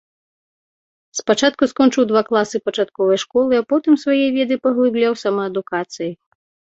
Спачатку скончыў два класы пачатковай школы, а потым свае веды паглыбляў самаадукацыяй.